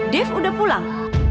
dev udah pulang